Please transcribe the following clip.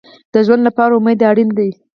د ژوند لپاره امید اړین دی